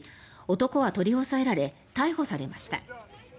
男は取り押さえられ逮捕されました。